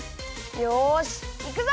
よしいくぞ！